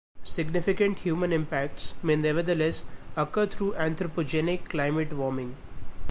Significant human impacts may nevertheless occur through anthropogenic climate warming.